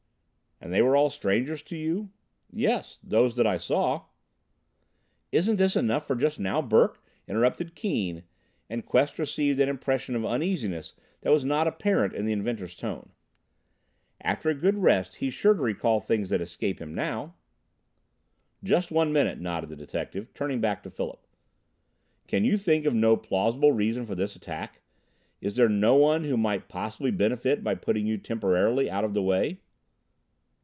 "And they were all strangers to you?" "Yes those that I saw." "Isn't this enough for just now, Burke?" interrupted Keane, and Quest received an impression of uneasiness that was not apparent in the inventor's tone. "After a good rest he's sure to recall things that escape him now." "Just one minute," nodded the detective, turning back to Philip. "Can you think of no plausible reason for this attack? Is there no one who might possibly benefit by putting you temporarily out of the way?"